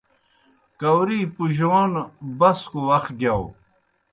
کاؤری پُجَون بسکوْ وخ گِیاؤ۔